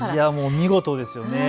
見事ですよね。